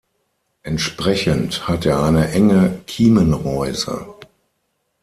Entsprechend hat er eine enge Kiemenreuse.